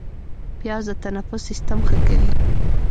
پیاز د تنفس سیستم ښه کوي